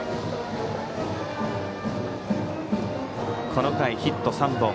この回ヒット３本。